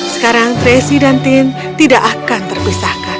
sekarang tracy dan tin tidak akan terpisahkan